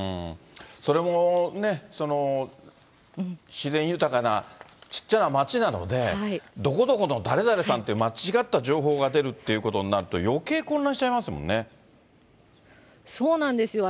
それも、その自然豊かなちっちゃな町なので、どこどこの誰々さんって、間違った情報が出るということになると、そうなんですよ。